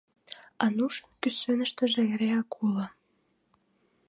Анушын кӱсеныштыже эреак уло.